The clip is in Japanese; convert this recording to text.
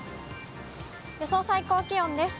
予想最高気温です。